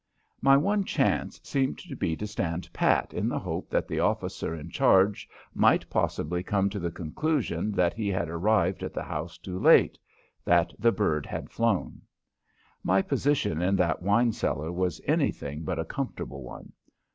My one chance seemed to be to stand pat in the hope that the officer in charge might possibly come to the conclusion that he had arrived at the house too late that the bird had flown. My position in that wine cellar was anything but a comfortable one.